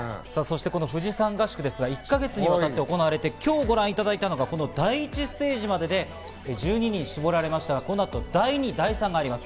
富士山合宿ですが、１か月にわたって行われて、今日ご覧いただいたのがこの第１ステージまでで、１２人に絞られましたが、この後、第２、第３があります。